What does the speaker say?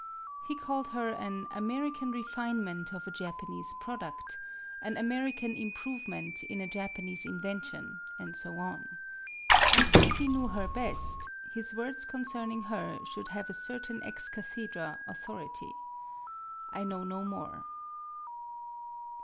He called her an American refinement of a Japanese product, an American improve ment in a Japanese invention, and so on. And since he knew her best, his words con cerning her should have a certain ex cathedra authority. I know no more.